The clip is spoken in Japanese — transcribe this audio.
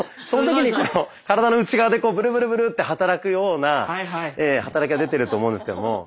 その時にこの体の内側でブルブルブルって働くような働きが出てると思うんですけれども。